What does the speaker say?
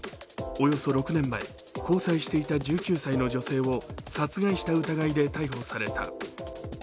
およそ６年前、交際していた１９歳の女性を殺害した疑いで逮捕された。